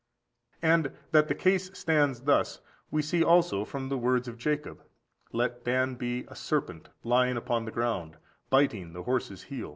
] And that the case stands thus, we see also from the words of Jacob: "Let Dan be a serpent, lying upon the ground, biting the horse's heel."